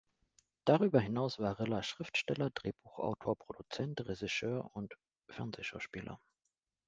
Darüber hinaus war Rilla Schriftsteller, Drehbuchautor, Produzent, Regisseur und Fernsehschauspieler.